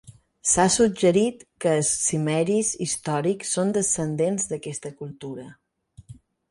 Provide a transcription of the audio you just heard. S'ha suggerit que els cimmeris històrics són descendents d'aquesta cultura.